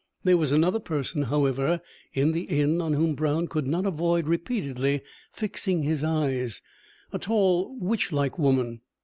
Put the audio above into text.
There was another person, however, in the inn on whom Brown could not avoid repeatedly fixing his eyes a tall, witch like woman.